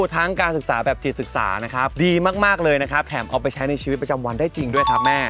ทั้งการศึกษาแบบจิตศึกษานะครับดีมากเลยนะครับแถมเอาไปใช้ในชีวิตประจำวันได้จริงด้วยครับแม่